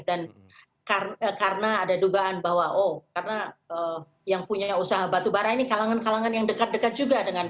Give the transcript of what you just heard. dan karena ada dugaan bahwa oh karena yang punya usaha batubara ini kalangan kalangan yang dekat dekat juga